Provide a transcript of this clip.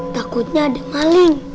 takutnya ada maling